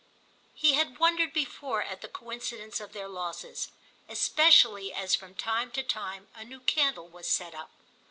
He had wondered before at the coincidence of their losses, especially as from time to time a new candle was set up.